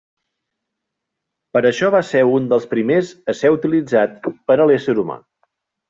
Per això va ser un dels primers a ser utilitzat per l'ésser humà.